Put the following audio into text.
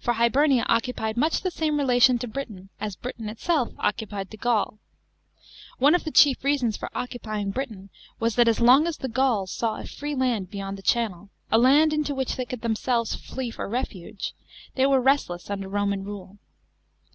For Hibernia occupied much the same relation to Britain as Britain itself occupied to Gaul. One of the chief reasons tor occupying Britain was, that as long as the Guils saw a tree lat d beyond the channel, a land into which they could themselves flee for refuse, they were restless under R man rule.